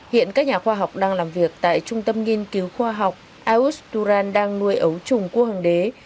hiện các nhà khoa học đang làm việc tại trung tâm nghiên cứu khoa học aos duran đang nuôi ấu trùng cua hoàng đế